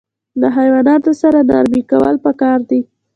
له حیواناتو سره نرمي کول پکار دي.